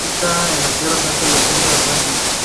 Se ubica en las tierras altas del centro de Altái.